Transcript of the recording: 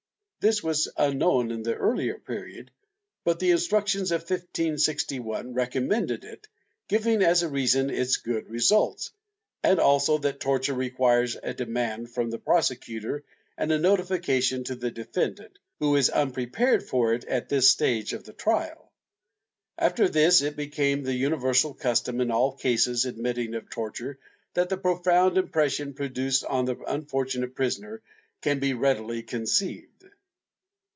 This was unknown in the earlier period, but the Instructions of 1561 recommend it, giving as a reason its good results, and also that torture requires a demand from the prosecutor and a notification to the defendant, who is unprepared for it at this stage of the trial .^ After this it became the univer sal custom in all cases admitting of torture, and the profound impression produced on the unfortunate prisoner can be readily conceived.